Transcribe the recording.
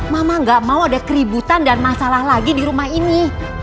mama gak mau ada keributan dan masalah lagi di rumah ini